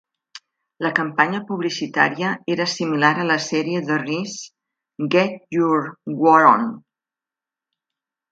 La campanya publicitària era similar a la sèrie de Rees 'Get Your War On'.